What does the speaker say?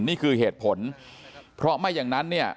นี่คือเหตุผลเพราะไม่อย่างนั้นเนี่ย